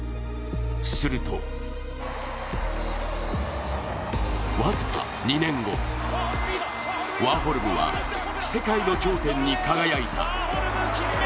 すると僅か２年後、ワーホルムは世界の頂点に輝いた。